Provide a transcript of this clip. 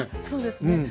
そうですね